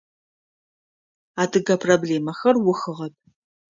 Адыгэ проблемэхэр ухыгъэп.